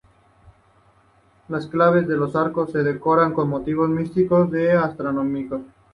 Las claves de los arcos se decoran con motivos místicos y astronómicos.